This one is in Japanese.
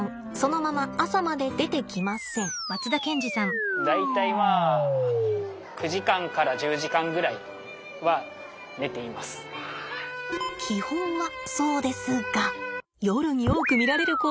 基本はそうですが夜に多く見られる行動もあるんです。